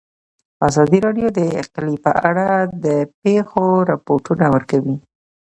ازادي راډیو د اقلیم په اړه د پېښو رپوټونه ورکړي.